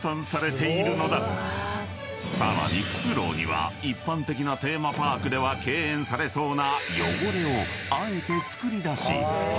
［さらにフクロウには一般的なテーマパークでは敬遠されそうな］